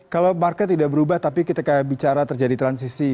kalau market tidak berubah tapi ketika bicara terjadi transisi